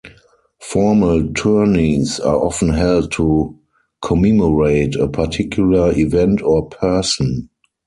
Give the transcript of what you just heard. Formal tourneys are often held to commemorate a particular event or person.